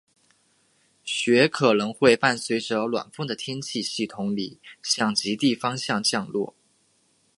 雪可能会伴随着暖锋的天气系统里向极地方向降落。